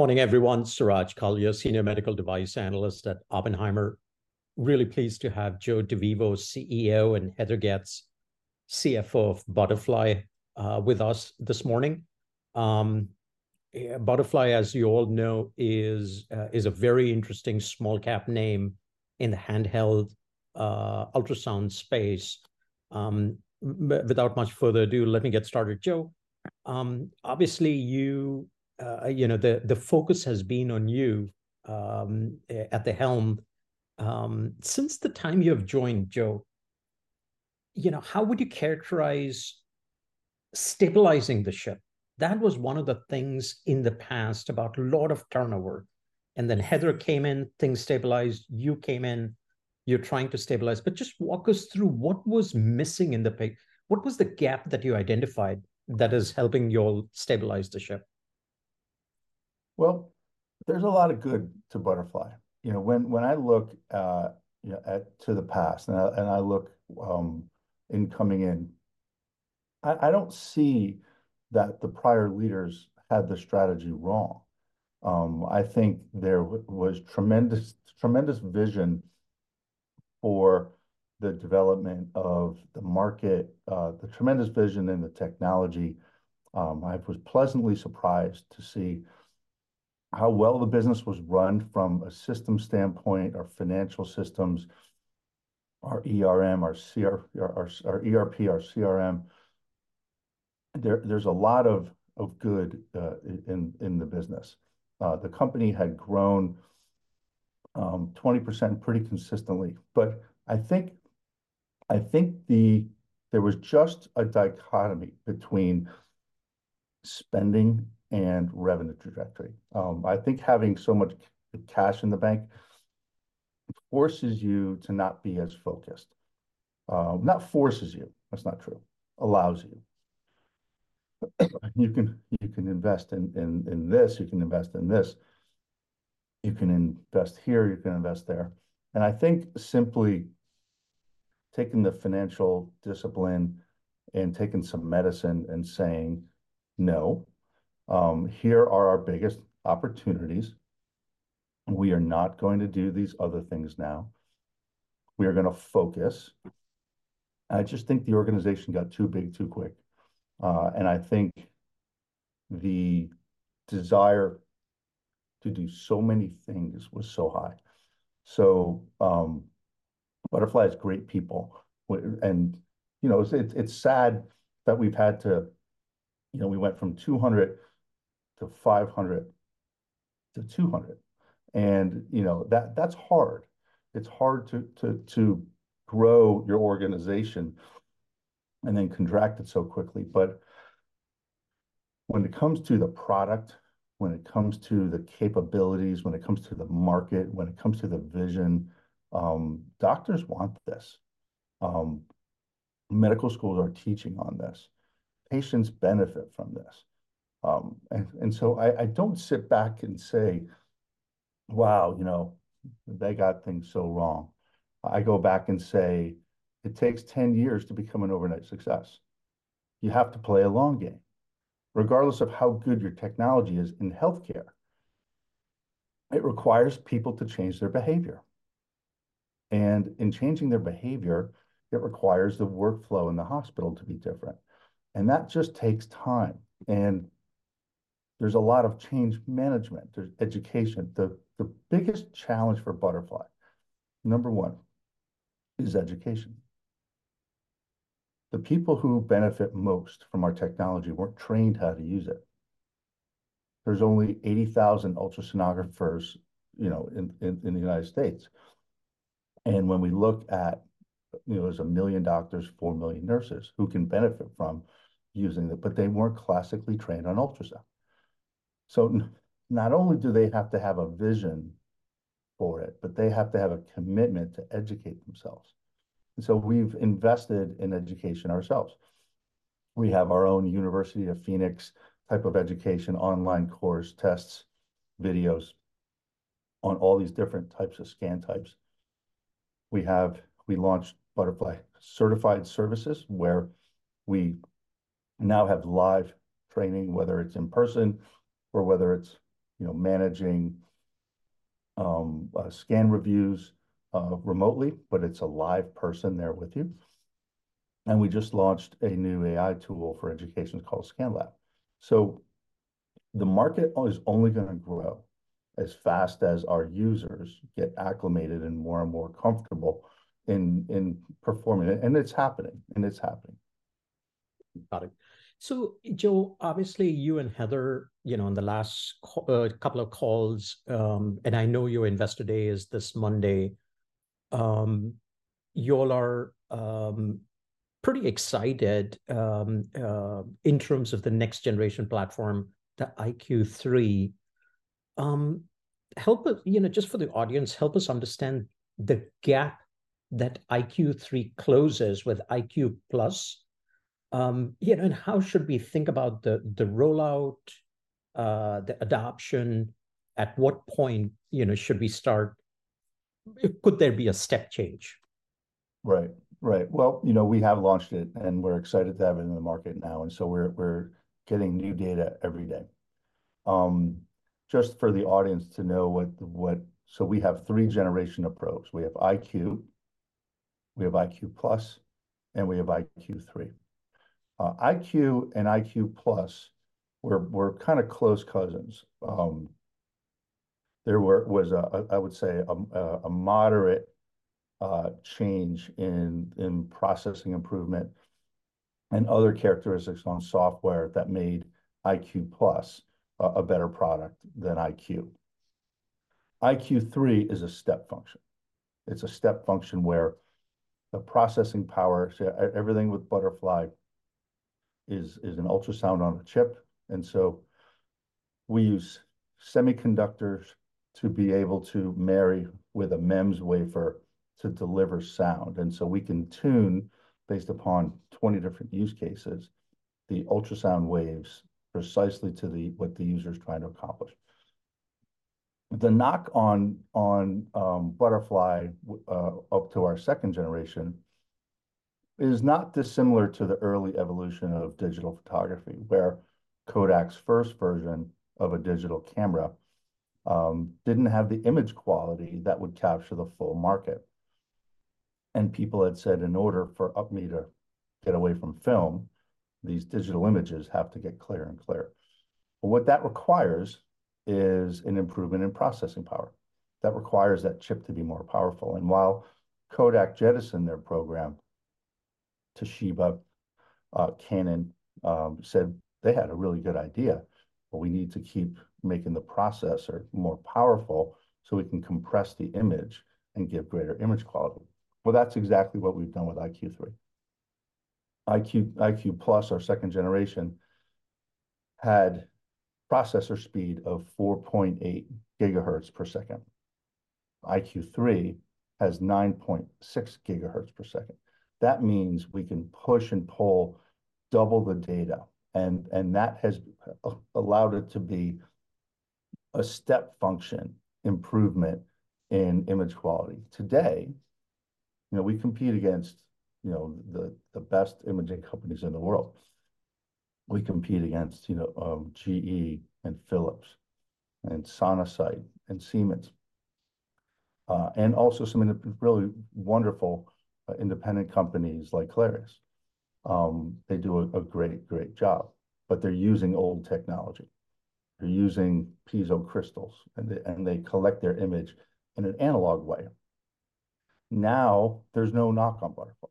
Morning, everyone. Suraj Kalia, Senior Medical Device Analyst at Oppenheimer. Really pleased to have Joe DeVivo, CEO, and Heather Getz, CFO of Butterfly with us this morning. Butterfly, as you all know, is a very interesting small-cap name in the handheld ultrasound space. But without much further ado, let me get started. Joe, obviously, you know, the focus has been on you at the helm. Since the time you have joined, Joe, you know, how would you characterize stabilizing the ship? That was one of the things in the past about a lot of turnover, and then Heather came in, things stabilized. You came in, you're trying to stabilize. But just walk us through what was missing in the pic- what was the gap that you identified that is helping y'all stabilize the ship? Well, there's a lot of good to Butterfly. You know, when I look, you know, to the past, and I look, in coming in, I don't see that the prior leaders had the strategy wrong. I think there was tremendous, tremendous vision for the development of the market, the tremendous vision in the technology. I was pleasantly surprised to see how well the business was run from a systems standpoint, our financial systems, our ERM, our ERP, our CRM. There's a lot of good in the business. The company had grown 20% pretty consistently, but I think the... There was just a dichotomy between spending and revenue trajectory. I think having so much cash in the bank forces you to not be as focused. Not forces you, that's not true, allows you. You can, you can invest in this, you can invest in this, you can invest here, you can invest there. And I think simply taking the financial discipline and taking some medicine and saying, "No, here are our biggest opportunities. We are not going to do these other things now. We are gonna focus." I just think the organization got too big, too quick. And I think the desire to do so many things was so high. So, Butterfly has great people, and, you know, it's sad that we've had to... You know, we went from 200 to 500 to 200, and, you know, that's hard. It's hard to grow your organization and then contract it so quickly. But when it comes to the product, when it comes to the capabilities, when it comes to the market, when it comes to the vision, doctors want this. Medical schools are teaching on this. Patients benefit from this. And so I don't sit back and say, "Wow, you know, they got things so wrong." I go back and say, "It takes 10 years to become an overnight success." You have to play a long game. Regardless of how good your technology is in healthcare, it requires people to change their behavior, and in changing their behavior, it requires the workflow in the hospital to be different, and that just takes time, and there's a lot of change management. There's education. The biggest challenge for Butterfly, number one, is education. The people who benefit most from our technology weren't trained how to use it. There's only 80,000 ultrasonographers, you know, in the United States. And when we look at, you know, there's 1 million doctors, 4 million nurses who can benefit from using it, but they weren't classically trained on ultrasound. So not only do they have to have a vision for it, but they have to have a commitment to educate themselves. And so we've invested in education ourselves. We have our own University of Phoenix type of education, online course, tests, videos on all these different types of scan types. We launched Butterfly Certified Services, where we now have live training, whether it's in person or whether it's, you know, managing scan reviews remotely, but it's a live person there with you. And we just launched a new AI tool for education. It's called Scan Lab. So the market is only gonna grow as fast as our users get acclimated and more and more comfortable in performing it, and it's happening, and it's happening. Got it. So Joe, obviously, you and Heather, you know, in the last couple of calls, and I know your investor day is this Monday, y'all are pretty excited in terms of the next-generation platform, the iQ3. Help us, you know, just for the audience, help us understand the gap that iQ3 closes with iQ+. You know, and how should we think about the rollout, the adoption? At what point, you know, could there be a step change? Right, right. Well, you know, we have launched it, and we're excited to have it in the market now, and so we're getting new data every day. Just for the audience to know, so we have three generation of probes. We have iQ, we have iQ+, and we have iQ3. iQ and iQ+ were kind of close cousins. There was a, I would say, a moderate change in processing improvement and other characteristics on software that made iQ+ a better product than iQ. iQ3 is a step function. It's a step function where the processing power, everything with Butterfly is an ultrasound on a chip, and so we use semiconductors to be able to marry with a MEMS wafer to deliver sound. So we can tune, based upon 20 different use cases, the ultrasound waves precisely to what the user is trying to accomplish. The knock on Butterfly up to our second generation is not dissimilar to the early evolution of digital photography, where Kodak's first version of a digital camera didn't have the image quality that would capture the full market. And people had said, in order for me to get away from film, these digital images have to get clearer and clearer. But what that requires is an improvement in processing power. That requires that chip to be more powerful. And while Kodak jettisoned their program, Toshiba, Canon said they had a really good idea, but we need to keep making the processor more powerful so we can compress the image and get greater image quality. Well, that's exactly what we've done with iQ3. iQ, iQ+, our second generation, had processor speed of 4.8 gigahertz per second. iQ3 has 9.6 gigahertz per second. That means we can push and pull double the data, and that has allowed it to be a step function improvement in image quality. Today, you know, we compete against, you know, the best imaging companies in the world. We compete against, you know, GE, and Philips, and Sonosite, and Siemens, and also some of the really wonderful independent companies like Clarius. They do a great job, but they're using old technology. They're using piezo crystals, and they collect their image in an analog way. Now, there's no knock on Butterfly.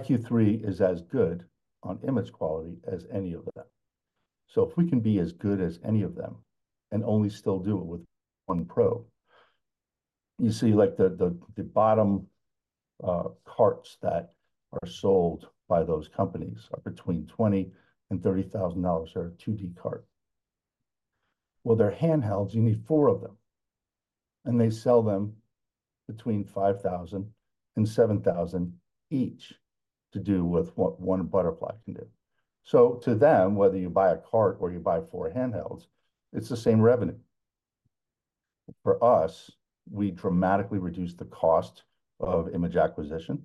iQ3 is as good on image quality as any of them. So if we can be as good as any of them, and only still do it with one probe... You see, like, the bottom carts that are sold by those companies are between $20,000 and $30,000 for a 2D cart. Well, they're handhelds, you need four of them, and they sell them between $5,000 and $7,000 each to do what one Butterfly can do. So to them, whether you buy a cart or you buy four handhelds, it's the same revenue. For us, we dramatically reduce the cost of image acquisition,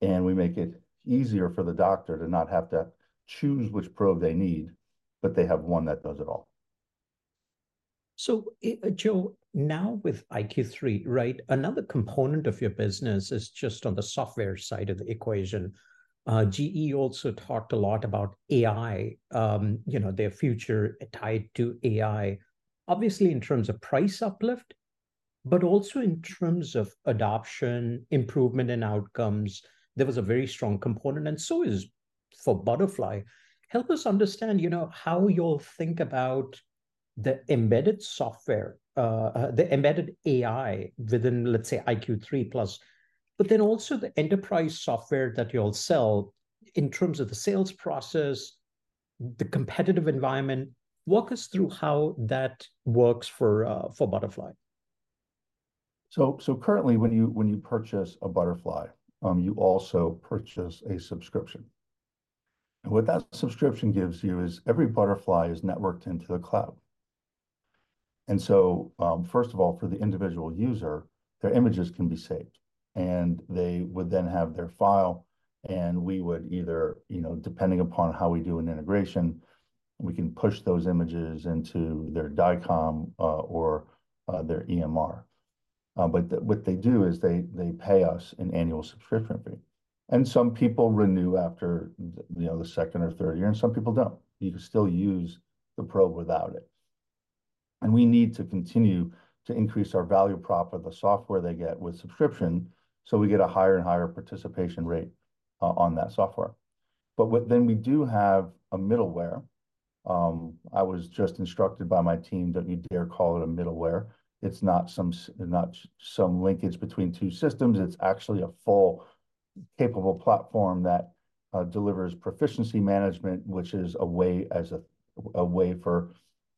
and we make it easier for the doctor to not have to choose which probe they need, but they have one that does it all. So, Joe, now with iQ3, right? Another component of your business is just on the software side of the equation. GE also talked a lot about AI, you know, their future tied to AI. Obviously, in terms of price uplift, but also in terms of adoption, improvement, and outcomes, there was a very strong component, and so is for Butterfly. Help us understand, you know, how you all think about the embedded software, the embedded AI within, let's say, iQ3+, but then also the enterprise software that you all sell in terms of the sales process, the competitive environment. Walk us through how that works for Butterfly. So currently, when you purchase a Butterfly, you also purchase a subscription. And what that subscription gives you is every Butterfly is networked into the cloud. And so, first of all, for the individual user, their images can be saved, and they would then have their file, and we would either, you know, depending upon how we do an integration, we can push those images into their DICOM or their EMR. But what they do is they pay us an annual subscription fee. And some people renew after the second or third year, and some people don't. You can still use the probe without it. And we need to continue to increase our value prop of the software they get with subscription, so we get a higher and higher participation rate on that software. But then we do have a middleware. I was just instructed by my team, "Don't you dare call it a middleware." It's not some linkage between two systems. It's actually a full, capable platform that delivers proficiency management, which is a way for,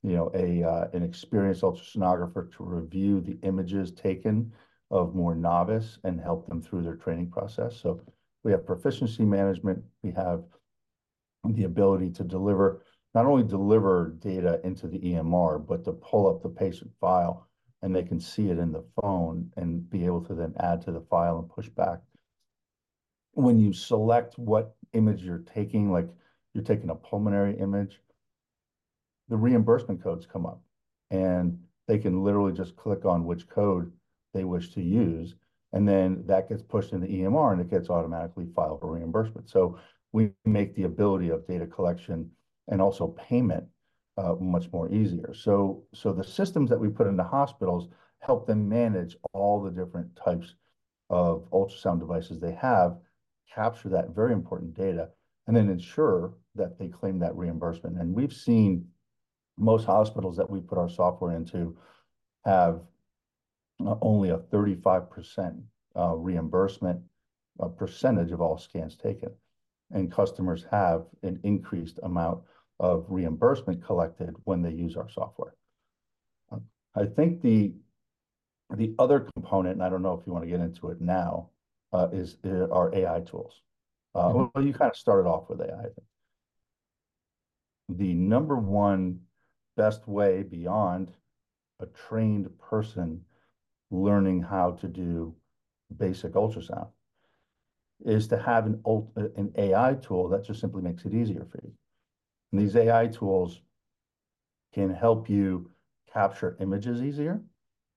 you know, an experienced ultrasonographer to review the images taken of more novice and help them through their training process. So we have proficiency management, we have the ability to deliver, not only deliver data into the EMR, but to pull up the patient file, and they can see it in the phone and be able to then add to the file and push back. When you select what image you're taking, like you're taking a pulmonary image, the reimbursement codes come up, and they can literally just click on which code they wish to use, and then that gets pushed in the EMR, and it gets automatically filed for reimbursement. So we make the ability of data collection and also payment, much more easier. So, so the systems that we put into hospitals help them manage all the different types of ultrasound devices they have, capture that very important data, and then ensure that they claim that reimbursement. And we've seen most hospitals that we put our software into have, only a 35%, reimbursement, percentage of all scans taken, and customers have an increased amount of reimbursement collected when they use our software. I think the other component, and I don't know if you want to get into it now, is our AI tools. Mm. Well, you kind of started off with AI, I think. The number one best way beyond a trained person learning how to do basic ultrasound is to have an AI tool that just simply makes it easier for you. And these AI tools can help you capture images easier,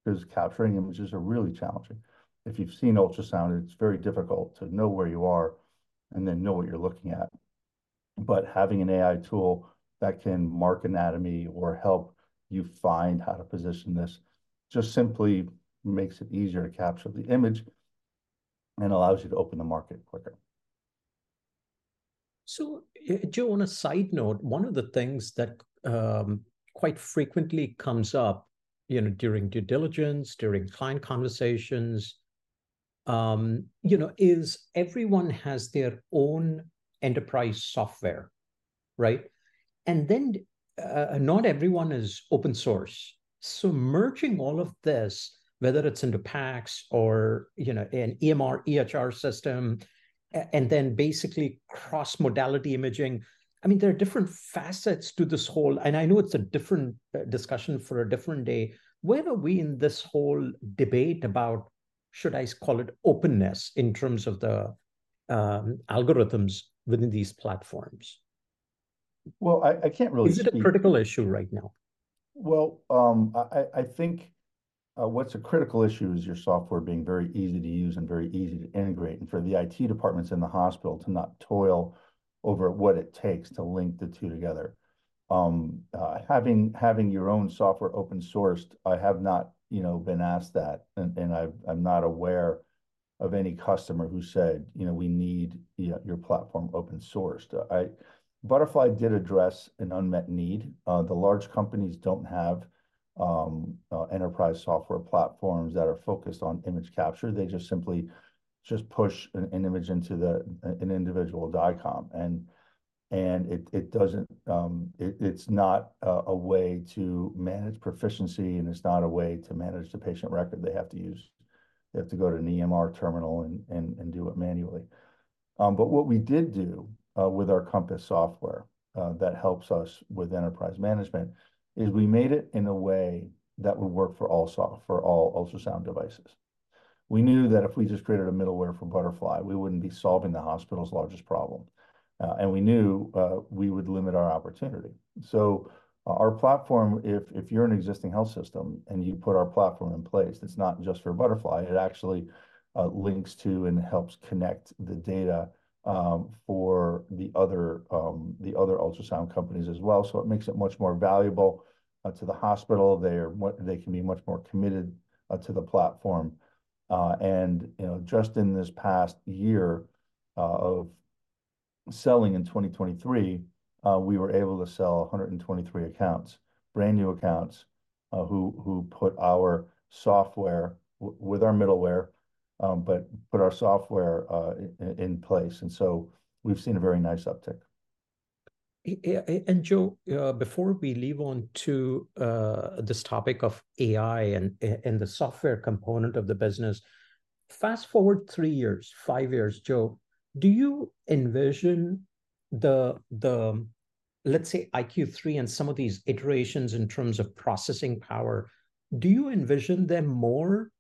because capturing images are really challenging. If you've seen ultrasound, it's very difficult to know where you are and then know what you're looking at. But having an AI tool that can mark anatomy or help you find how to position this, just simply makes it easier to capture the image and allows you to open the market quicker. So, Joe, on a side note, one of the things that quite frequently comes up, you know, during due diligence, during client conversations, you know, is everyone has their own enterprise software, right? And then not everyone is open source. So merging all of this, whether it's into PACS or, you know, an EMR, EHR system and then basically cross-modality imaging, I mean, there are different facets to this whole... And I know it's a different discussion for a different day. Where are we in this whole debate about, should I call it openness, in terms of the algorithms within these platforms? Well, I can't really speak- Is it a critical issue right now? Well, I think what's a critical issue is your software being very easy to use and very easy to integrate, and for the IT departments in the hospital to not toil over what it takes to link the two together. Having your own software open sourced, I have not, you know, been asked that, and I'm not aware of any customer who said, "You know, we need, yeah, your platform open sourced." Butterfly did address an unmet need. The large companies don't have enterprise software platforms that are focused on image capture. They just simply push an image into an individual DICOM, and it doesn't. It's not a way to manage proficiency, and it's not a way to manage the patient record. They have to go to an EMR terminal and do it manually. But what we did do with our Compass software that helps us with enterprise management is we made it in a way that would work for all ultrasound devices. We knew that if we just created a middleware for Butterfly, we wouldn't be solving the hospital's largest problem, and we knew we would limit our opportunity. So, our platform, if you're an existing health system and you put our platform in place, it's not just for Butterfly, it actually links to and helps connect the data for the other ultrasound companies as well. So it makes it much more valuable to the hospital. They can be much more committed to the platform. You know, just in this past year of selling in 2023, we were able to sell 123 accounts, brand-new accounts, who put our software with our middleware, but put our software in place, and so we've seen a very nice uptick. And, Joe, before we move on to this topic of AI and the software component of the business, fast-forward three years, five years, Joe, do you envision the, let's say, iQ3 and some of these iterations in terms of processing power, do you envision them more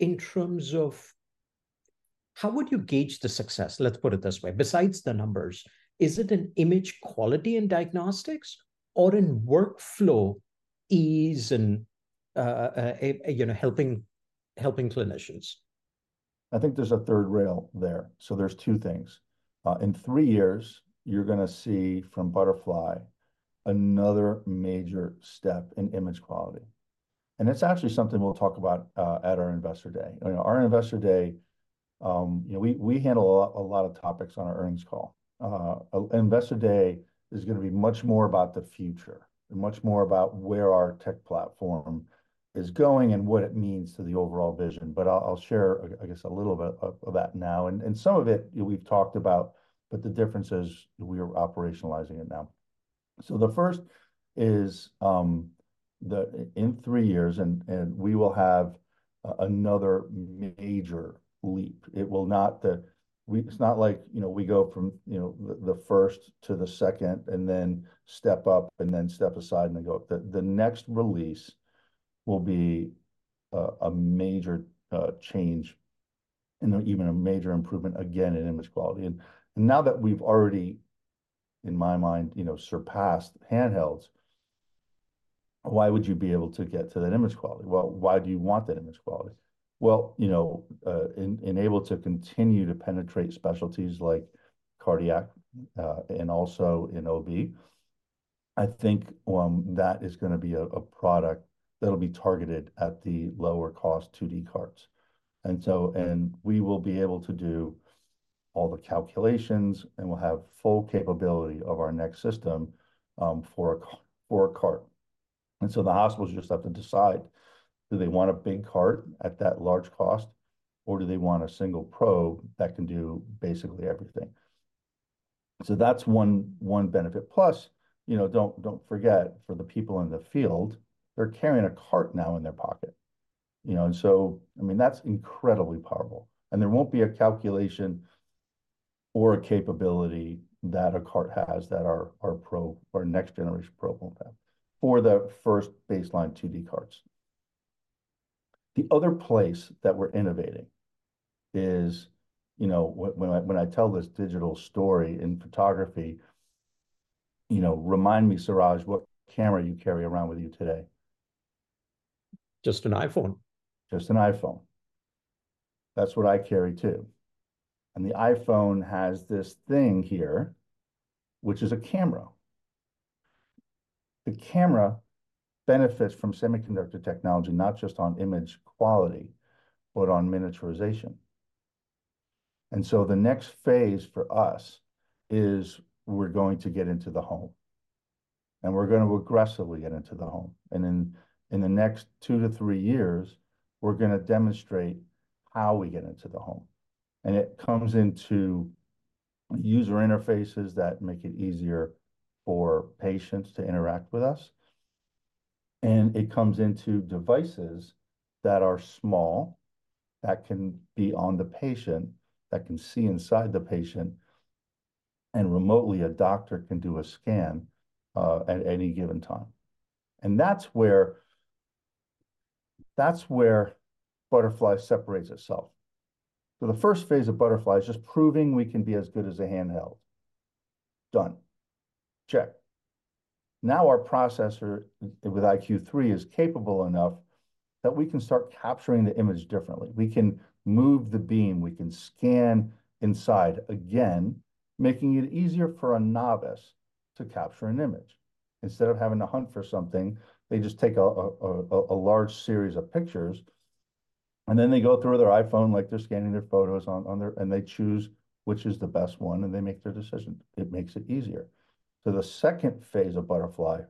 in terms of... How would you gauge the success? Let's put it this way, besides the numbers, is it in image quality and diagnostics, or in workflow ease and, you know, helping clinicians? I think there's a third rail there. So there's two things. In three years, you're gonna see from Butterfly another major step in image quality, and it's actually something we'll talk about at our Investor Day. You know, our Investor Day, you know, we handle a lot of topics on our earnings call. Investor Day is gonna be much more about the future and much more about where our tech platform is going and what it means to the overall vision, but I'll share, I guess, a little bit of that now. And some of it, we've talked about, but the difference is we are operationalizing it now. So the first is, in three years and we will have another major leap. It will not be that we, it's not like, you know, we go from, you know, the first to the second, and then step up, and then step aside, and then go up. The next release will be a major change, and even a major improvement again in image quality. And now that we've already, in my mind, you know, surpassed handhelds, why would you be able to get to that image quality? Well, why do you want that image quality? Well, you know, enabled to continue to penetrate specialties like cardiac, and also in OB, I think, that is gonna be a product that'll be targeted at the lower-cost 2D carts. And we will be able to do all the calculations, and we'll have full capability of our next system for a cart. And so the hospitals just have to decide, do they want a big cart at that large cost, or do they want a single probe that can do basically everything? So that's one benefit. Plus, you know, don't forget, for the people in the field, they're carrying a cart now in their pocket, you know? And so, I mean, that's incredibly powerful, and there won't be a calculation or a capability that a cart has that our probe, our next-generation probe won't have for the first baseline 2D carts. The other place that we're innovating is... You know, when I tell this digital story in photography, you know, remind me, Suraj, what camera you carry around with you today? Just an iPhone. Just an iPhone. That's what I carry, too, and the iPhone has this thing here, which is a camera. The camera benefits from semiconductor technology, not just on image quality, but on miniaturization. So the next phase for us is we're going to get into the home, and we're gonna aggressively get into the home. In the next two to three years, we're gonna demonstrate how we get into the home, and it comes into user interfaces that make it easier for patients to interact with us, and it comes into devices that are small, that can be on the patient, that can see inside the patient, and remotely, a doctor can do a scan at any given time. That's where Butterfly separates itself. So the first phase of Butterfly is just proving we can be as good as a handheld. Done. Check. Now, our processor, with iQ3, is capable enough that we can start capturing the image differently. We can move the beam. We can scan inside, again, making it easier for a novice to capture an image. Instead of having to hunt for something, they just take a large series of pictures, and then they go through their iPhone like they're scanning their photos on their iPhone. And they choose which is the best one, and they make their decision. It makes it easier. So the second phase of Butterfly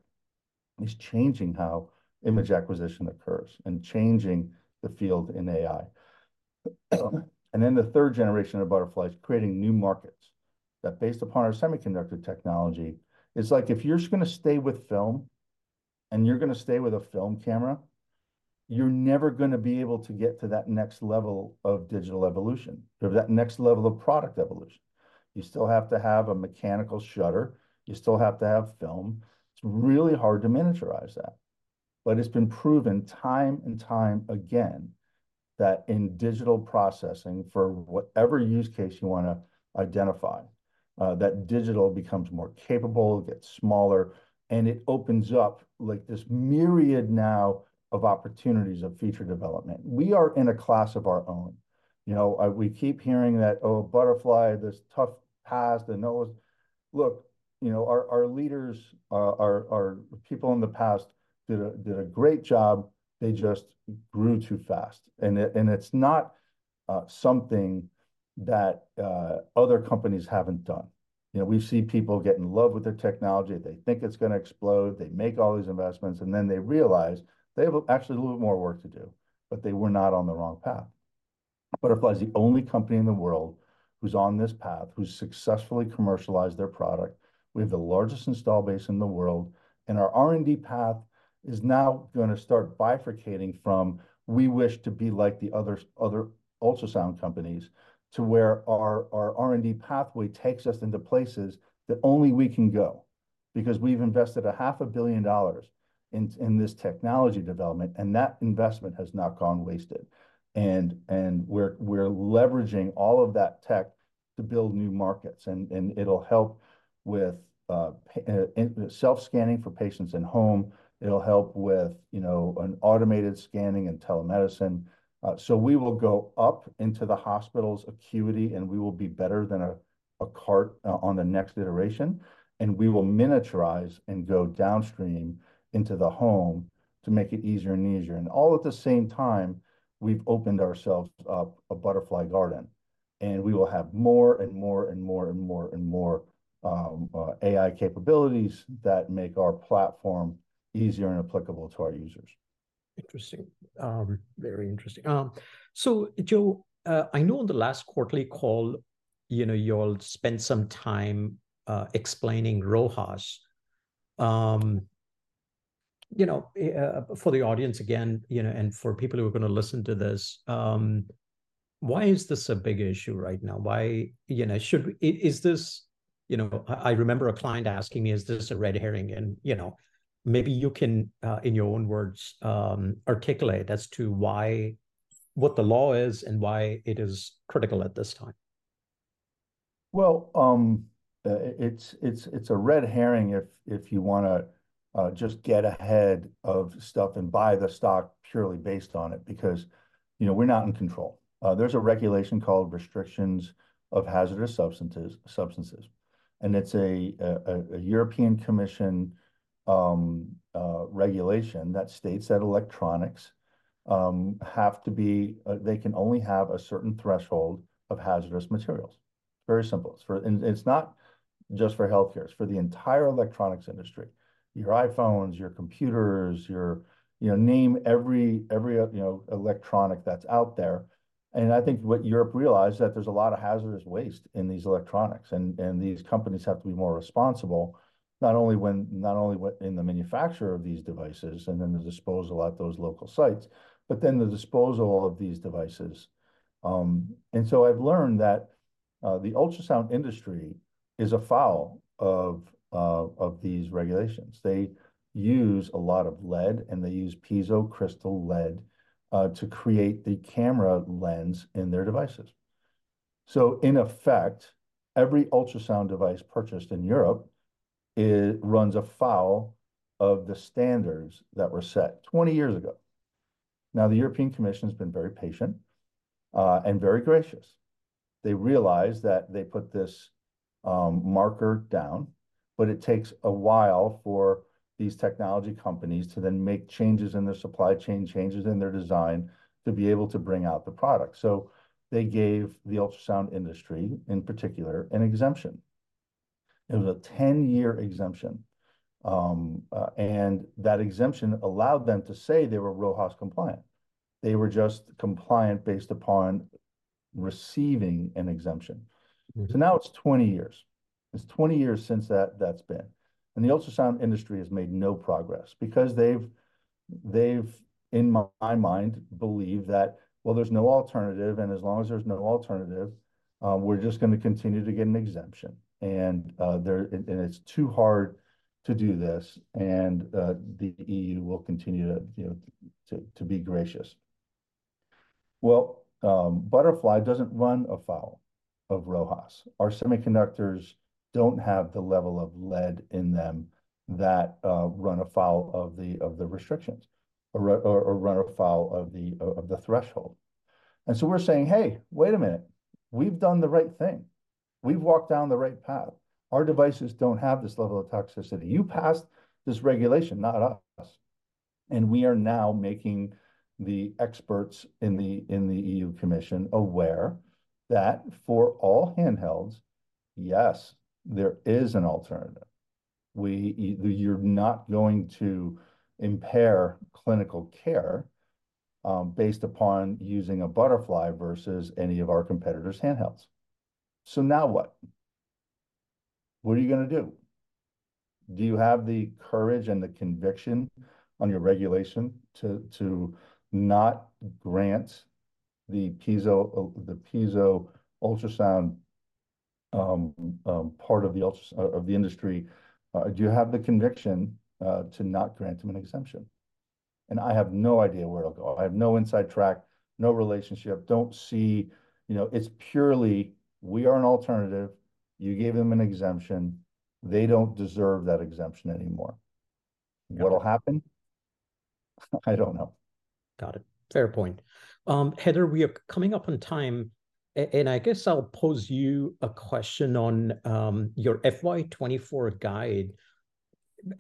is changing how image acquisition occurs and changing the field in AI. And then, the third generation of Butterfly is creating new markets that, based upon our semiconductor technology. It's like if you're just gonna stay with film, and you're gonna stay with a film camera, you're never gonna be able to get to that next level of digital evolution, or that next level of product evolution. You still have to have a mechanical shutter. You still have to have film. It's really hard to miniaturize that. But it's been proven time and time again that in digital processing, for whatever use case you wanna identify, that digital becomes more capable, gets smaller, and it opens up, like, this myriad now of opportunities of feature development. We are in a class of our own. You know, we keep hearing that, "Oh, Butterfly, this tough past and those..." Look, you know, our leaders, our people in the past did a great job. They just grew too fast, and it's not something that other companies haven't done. You know, we've seen people get in love with their technology. They think it's gonna explode. They make all these investments, and then they realize they have actually a little bit more work to do, but they were not on the wrong path. Butterfly's the only company in the world who's on this path, who's successfully commercialized their product. We have the largest install base in the world, and our R&D path is now gonna start bifurcating from, "We wish to be like the others, other ultrasound companies," to where our, our R&D pathway takes us into places that only we can go. Because we've invested $500 million in this technology development, and that investment has not gone wasted. And we're leveraging all of that tech to build new markets, and it'll help with self-scanning for patients in home. It'll help with, you know, an automated scanning and telemedicine. So we will go up into the hospital's acuity, and we will be better than a cart on the next iteration, and we will miniaturize and go downstream into the home to make it easier and easier. All at the same time, we've opened ourselves up a Butterfly Garden, and we will have more and more and more and more and more AI capabilities that make our platform easier and applicable to our users.... Interesting. Very interesting. So Joe, I know on the last quarterly call, you know, you all spent some time explaining RoHS. You know, for the audience, again, you know, and for people who are gonna listen to this, why is this a big issue right now? Why, you know, is this... You know, I remember a client asking me, "Is this a red herring?" And, you know, maybe you can, in your own words, articulate as to why-what the law is, and why it is critical at this time. Well, it's a red herring if you wanna just get ahead of stuff and buy the stock purely based on it, because, you know, we're not in control. There's a regulation called Restriction of Hazardous Substances, and it's a European Commission regulation that states that electronics have to be they can only have a certain threshold of hazardous materials. Very simple. It's for... And it's not just for healthcare, it's for the entire electronics industry. Your iPhones, your computers, your, you know, name every, every, you know, electronic that's out there. I think what Europe realized, that there's a lot of hazardous waste in these electronics, and these companies have to be more responsible, not only in the manufacture of these devices, and then the disposal at those local sites, but then the disposal of these devices. So I've learned that the ultrasound industry is afoul of these regulations. They use a lot of lead, and they use piezo crystal lead to create the camera lens in their devices. So in effect, every ultrasound device purchased in Europe, it runs afoul of the standards that were set 20 years ago. Now, the European Commission's been very patient, and very gracious. They realize that they put this marker down, but it takes a while for these technology companies to then make changes in their supply chain, changes in their design, to be able to bring out the product. So they gave the ultrasound industry, in particular, an exemption. It was a 10-year exemption. That exemption allowed them to say they were RoHS compliant. They were just compliant based upon receiving an exemption. Mm-hmm. So now it's 20 years. It's 20 years since that, that's been, and the ultrasound industry has made no progress because they've, they've, in my mind, believed that, "Well, there's no alternative, and as long as there's no alternative, we're just gonna continue to get an exemption. And, and it's too hard to do this, and, the EU will continue to, you know, to be gracious." Well, Butterfly doesn't run afoul of RoHS. Our semiconductors don't have the level of lead in them that run afoul of the restrictions, or run afoul of the threshold. And so we're saying, "Hey, wait a minute, we've done the right thing. We've walked down the right path. Our devices don't have this level of toxicity. You passed this regulation, not us." And we are now making the experts in the EU Commission aware that for all handhelds, yes, there is an alternative. We, you're not going to impair clinical care, based upon using a Butterfly versus any of our competitors' handhelds. So now what? What are you gonna do? Do you have the courage and the conviction on your regulation to not grant the piezo, the piezo ultrasound part of the ultrasound of the industry, do you have the conviction to not grant them an exemption? And I have no idea where it'll go. I have no inside track, no relationship, don't see... You know, it's purely, we are an alternative. You gave them an exemption. They don't deserve that exemption anymore. Got it. What'll happen? I don't know. Got it. Fair point. Heather, we are coming up on time, and I guess I'll pose you a question on your FY 2024 guide.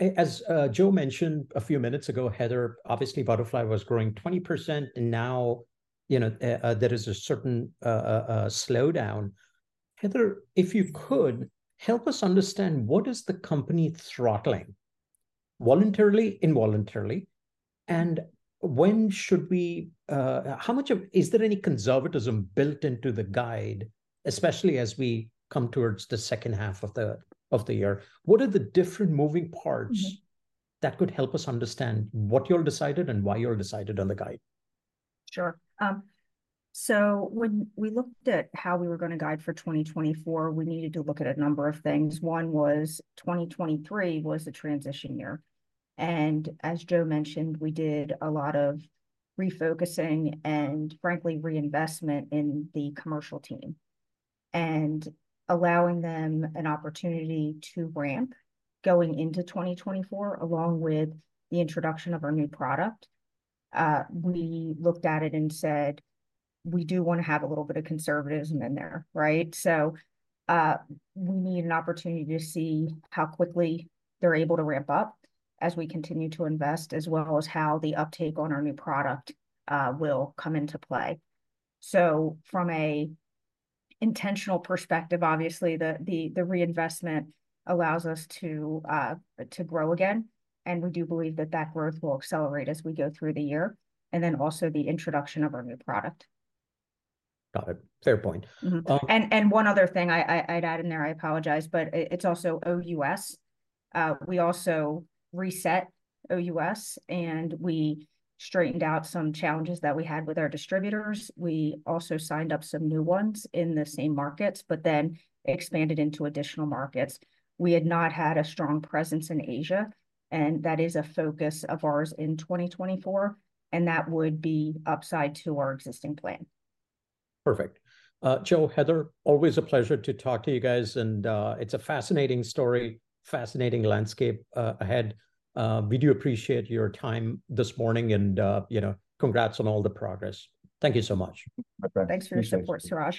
As Joe mentioned a few minutes ago, Heather, obviously, Butterfly was growing 20%, and now, you know, there is a certain slowdown. Heather, if you could help us understand, what is the company throttling, voluntarily, involuntarily? And when should we... How much of- is there any conservatism built into the guide, especially as we come towards the second half of the year? What are the different moving parts- Mm-hmm... that could help us understand what you all decided and why you all decided on the guide? Sure. So when we looked at how we were gonna guide for 2024, we needed to look at a number of things. One was, 2023 was a transition year, and as Joe mentioned, we did a lot of refocusing and, frankly, reinvestment in the commercial team, and allowing them an opportunity to ramp going into 2024, along with the introduction of our new product. We looked at it and said, "We do wanna have a little bit of conservatism in there," right? So, we need an opportunity to see how quickly they're able to ramp up as we continue to invest, as well as how the uptake on our new product will come into play. From an intentional perspective, obviously, the reinvestment allows us to grow again, and we do believe that that growth will accelerate as we go through the year, and then also the introduction of our new product. Got it. Fair point. Mm-hmm. Um- One other thing I'd add in there. I apologize, but it's also OUS. We also reset OUS, and we straightened out some challenges that we had with our distributors. We also signed up some new ones in the same markets, but then expanded into additional markets. We had not had a strong presence in Asia, and that is a focus of ours in 2024, and that would be upside to our existing plan. Perfect. Joe, Heather, always a pleasure to talk to you guys, and it's a fascinating story, fascinating landscape ahead. We do appreciate your time this morning, and you know, congrats on all the progress. Thank you so much. Okay. Thanks for your support, Suraj.